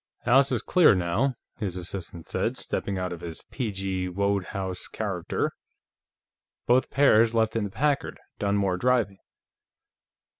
"House is clear, now," his assistant said, stepping out of his P. G. Wodehouse character. "Both pairs left in the Packard, Dunmore driving.